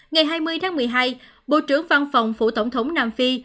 ngày hai mươi tháng một mươi hai bộ trưởng văn phòng phủ tổng thống nam phi